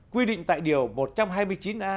quy định tại điều một trăm hai mươi chín a